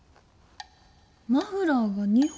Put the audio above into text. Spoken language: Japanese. マフラーが２本。